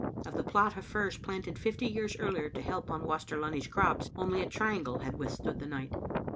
Of the plot of firs planted fifty years earlier to help on Waster Lunny's crops, only a triangle had withstood the night.